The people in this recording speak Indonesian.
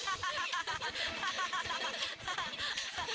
sebagai hadiah ambillah satu sisik ajaib ini